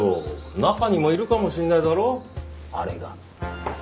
中にもいるかもしれないだろあれが。